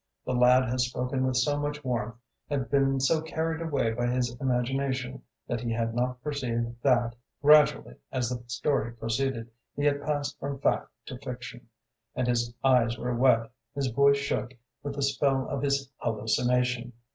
The lad had spoken with so much warmth, had been so carried away by his imagination, that he had not perceived that, gradually, as the story proceeded, he had passed from fact to fiction; and his eyes were wet, his voice shook, with the spell of his hallucination.